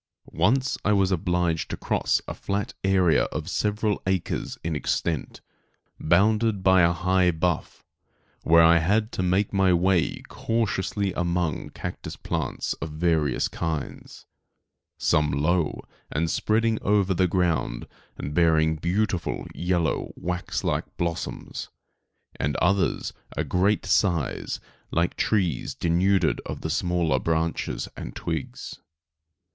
Once I was obliged to cross a flat area of several acres in extent, bounded by a high bluff, where I had to make my way cautiously among cactus plants of various kinds; some low and spreading over the ground and bearing beautiful, yellow, wax like blossoms, and others a great size, like trees denuded of the smaller branches and twigs.